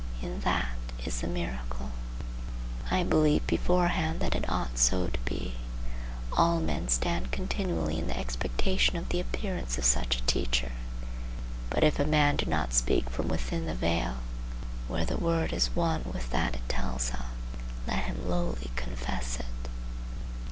In that is the miracle. I believe beforehand that it ought so to be. All men stand continually in the expectation of the appearance of such a teacher. But if a man do not speak from within the veil, where the word is one with that it tells of, let him lowly confess it.